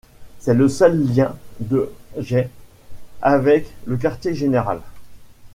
C'est le seul lien de Jay avec le quartier général.